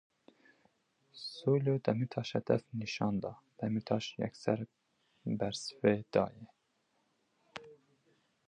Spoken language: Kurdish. Soylu Demîrtaş hedef nîşan da, Demîrtaş yekser besivê dayê.